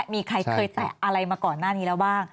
มีใครเคยแตะอะไรมาก่อนหน้านี้แล้วบ้าง